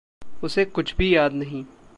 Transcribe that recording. उसे कुछ भी याद नहीं।